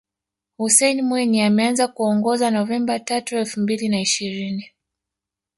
Hussein Mwinyi ameanza kuongoza Novemba tatu elfu mbili na ishirini